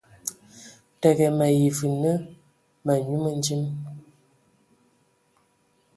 Təgə, mayi və nə ma nyu mədim.